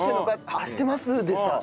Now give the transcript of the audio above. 「あっしてます」でさ。